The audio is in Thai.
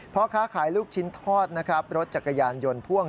พ่อค้าขายลูกชิ้นทอดนะครับรถจักรยานยนต์พ่วง